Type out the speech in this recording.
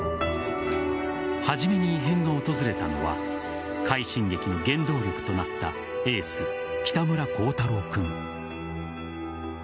初めに異変が訪れたのは快進撃の原動力となったエース・北村晄太郎君。